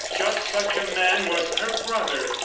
Just such a man was her brother.